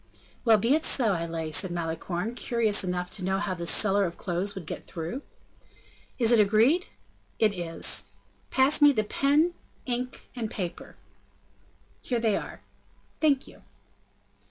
"Well, be it so; I lay," said Malicorne, curious enough to know how this seller of clothes would get through. "Is it agreed?" "It is." "Pass me the pen, ink, and paper." "Here they are." "Thank you."